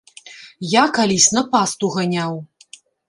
Я калісь на пасту ганяў.